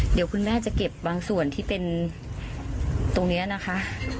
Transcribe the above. เดี๋ยวคุณแม่จะเก็บบางส่วนที่เป็นตรงนี้นะคะ